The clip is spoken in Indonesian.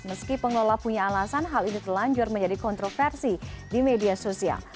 meski pengelola punya alasan hal ini telanjur menjadi kontroversi di media sosial